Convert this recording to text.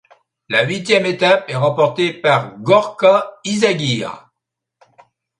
La huitième étape est remportée par Gorka Izagirre.